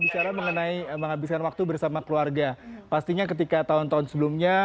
bicara mengenai menghabiskan waktu bersama keluarga pastinya ketika tahun tahun sebelumnya